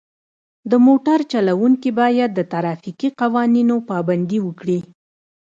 د موټر چلوونکي باید د ترافیکي قوانینو پابندي وکړي.